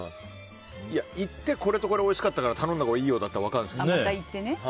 言ってこれとこれおいしかったから頼んだらいいよとかだったら分かるんですけどね。